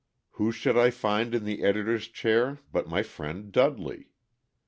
Who should I find in the editor's chair but my friend Dudley.